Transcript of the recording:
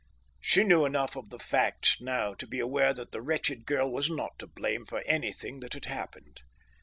She knew enough of the facts now to be aware that the wretched girl was not to blame for anything that had happened.